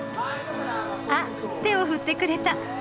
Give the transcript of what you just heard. あっ手を振ってくれた。